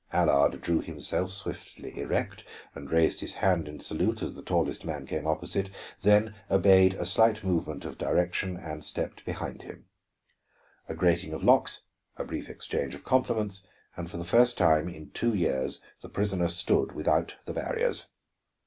Allard drew himself stiffly erect and raised his hand in salute as the tallest man came opposite, then obeyed a slight movement of direction and stepped behind him. A grating of locks, a brief exchange of compliments, and for the first time in two years the prisoner stood without the barriers.